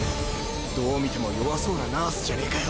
どう見ても弱そうなナースじゃねえかよ。